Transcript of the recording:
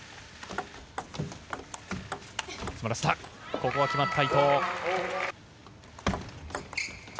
ここは決まった！